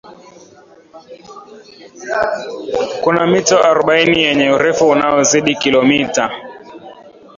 kuna mito arobaini yenye urefu unaozidi kilomita